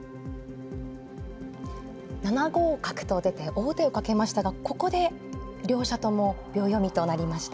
７五角と出て王手をかけましたがここで両者とも秒読みとなりました。